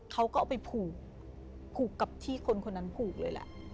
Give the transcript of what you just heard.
เขาก็เอาไปผูกผูกกับที่คนคนนั้นผูกเลยแหละ